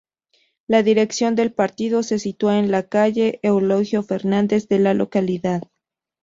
La dirección del partido se sitúa en la Calle Eulogio Fernández de la localidad.